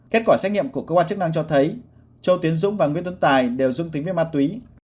kết quả xét nghiệm của cơ quan chức năng cho thấy châu tiến dũng và nguyễn tuấn tài đều dương tính với ma túy